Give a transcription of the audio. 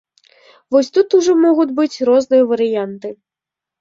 Вось тут ужо могуць быць розныя варыянты.